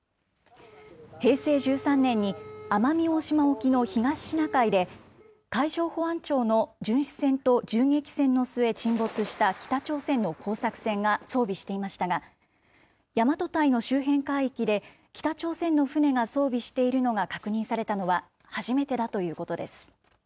平成１３年に奄美大島沖の東シナ海で、海上保安庁の巡視船と銃撃戦の末、沈没した北朝鮮の工作船が装備していましたが、大和堆の周辺海域で北朝鮮の船が装備しているのが確認されたのは初めてだということです。